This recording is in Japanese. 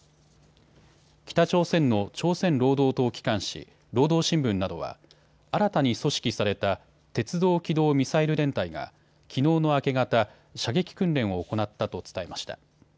北朝鮮の朝鮮労働党機関紙、労働新聞などは新たに組織された鉄道機動ミサイル連隊がきのうの明け方、射撃訓練を行ったと伝えました。